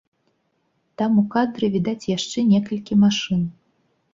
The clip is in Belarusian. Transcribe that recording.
Там ў кадры відаць яшчэ некалькі машын.